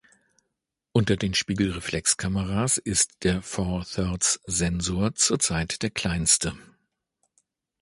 Unter den Spiegelreflexkameras ist der Four-Thirds-Sensor zur Zeit der kleinste.